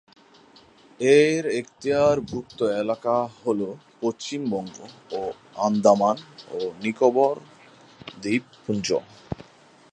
এর এক্তিয়ারভুক্ত এলাকা হল সমগ্র পশ্চিমবঙ্গ ও আন্দামান ও নিকোবর দ্বীপপুঞ্জ।